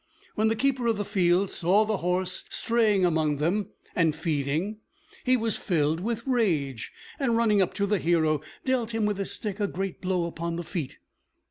When the keeper of the fields saw the horse straying among them and feeding, he was filled with rage; and running up to the hero, dealt him with his stick a great blow upon the feet.